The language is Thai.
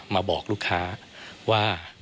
มาบอกลูกค้าว่า